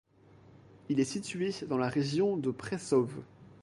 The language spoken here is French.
Il est situé dans la région de Prešov.